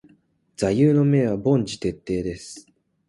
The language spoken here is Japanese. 座右の銘は凡事徹底です。